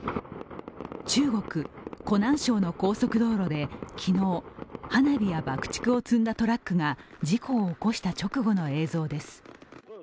中国・湖南省の高速道路で昨日花火や爆竹を積んだトラックが事故を起こした直後の映像です。